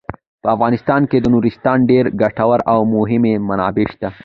په افغانستان کې د نورستان ډیرې ګټورې او مهمې منابع شته.